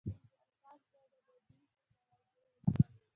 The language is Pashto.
الفاظ باید ادبي او واضح وي.